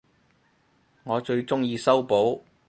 我最鍾意修補